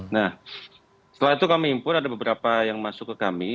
nah setelah itu kami impun ada beberapa yang masuk ke kami